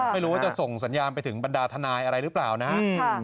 ไม่รู้ว่าจะส่งสัญญาณไปถึงบรรดาทนายอะไรหรือเปล่านะครับ